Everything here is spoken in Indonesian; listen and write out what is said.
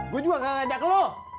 gue juga gak ngajak lo